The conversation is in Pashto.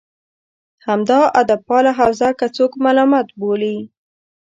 همدا ادبپاله حوزه که څوک ملامت بولي.